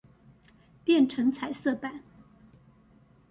變成彩色版